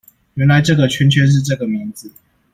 原來這個圈圈是這個名字